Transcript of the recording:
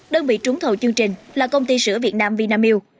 đơn vị trúng thầu chương trình là công ty sửa việt nam vietnam u